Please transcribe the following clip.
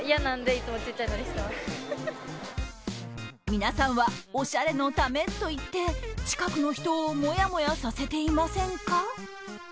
皆さんはおしゃれのためといって近くの人をもやもやさせていませんか？